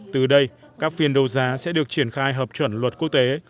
từ đây các phiên đấu giá sẽ được triển khai hợp chuẩn luật quốc tế